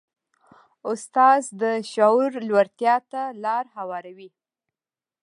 استاد د شعور لوړتیا ته لاره هواروي.